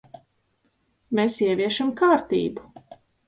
Mēs ieviešam kārtību.